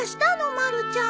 まるちゃん。